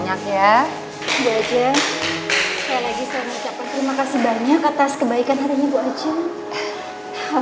saya lagi selalu menerima kasih banyak atas kebaikan harinya ibu ajung